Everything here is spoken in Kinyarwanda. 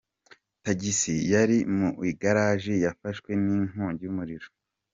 Tagisi yari mu igaraji yafashwe n’inkongi y’umuriro